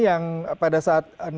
yang pada saat